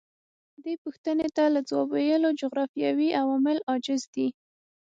دې پوښتنې ته له ځواب ویلو جغرافیوي عوامل عاجز دي.